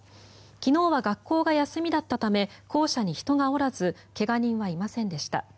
昨日は学校が休みだったため校舎に人がおらず怪我人はいませんでした。